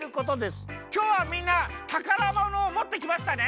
きょうはみんなたからものをもってきましたね？